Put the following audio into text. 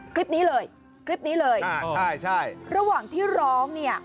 คลิปนี้เลยคลิปนี้เลยระหว่างที่ร้องเนี่ย